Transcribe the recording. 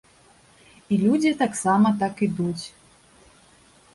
І людзі таксама так ідуць.